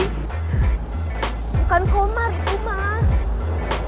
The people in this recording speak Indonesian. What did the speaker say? bukan komar itu mah